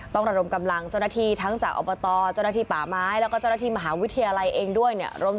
ระดมกำลังเจ้าหน้าที่ทั้งจากอบตเจ้าหน้าที่ป่าไม้แล้วก็เจ้าหน้าที่มหาวิทยาลัยเองด้วยเนี่ย